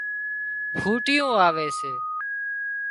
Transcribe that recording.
ڦُوٽيون واوي سي